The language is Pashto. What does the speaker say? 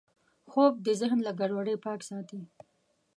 خوب د ذهن له ګډوډۍ پاک ساتي